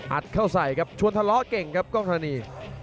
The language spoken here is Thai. เข้าใส่ครับชวนทะเลาะเก่งครับกล้องธรณี